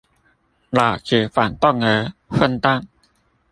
老子反動兒混蛋